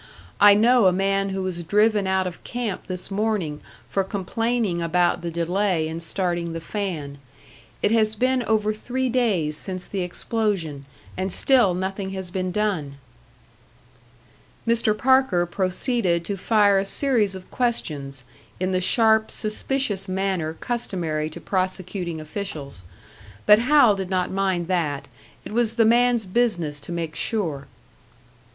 I know a man who was driven out of camp this morning for complaining about the delay in starting the fan. It has been over three days since the explosion, and still nothing has been done." Mr. Parker proceeded to fire a series of questions, in the sharp, suspicious manner customary to prosecuting officials. But Hal did not mind that; it was the man's business to make sure.